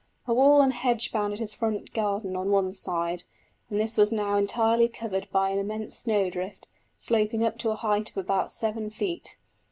A wall and hedge bounded his front garden on one side, and this was now entirely covered by an immense snowdrift, sloping up to a height of about seven feet.